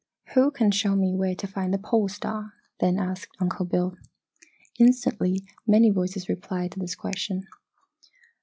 "Who can show me where to find the Pole Star?" then asked Uncle Bill. Instantly many voices replied to this question.